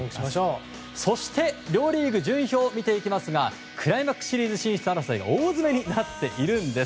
そして、両リーグの順位表ですがクライマックスシリーズ進出争いが大詰めになっているんです。